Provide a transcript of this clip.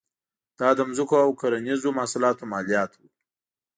دا د ځمکو او کرنیزو محصولاتو مالیات وې.